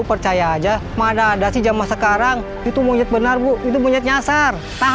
percaya aja mana ada sih jamaah sekarang itu muncul benar bu itu punya sasar tak